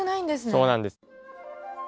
そうなんです。